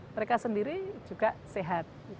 mereka sendiri juga sehat